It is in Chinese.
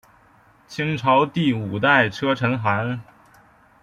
清朝第五代车臣汗。